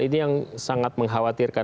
ini yang sangat mengkhawatirkan